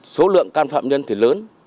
số lượng cán phạm nhân thì lớn